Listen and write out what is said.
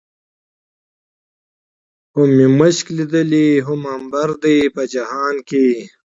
هم مې مښک ليدلي، هم عنبر دي په جهان کې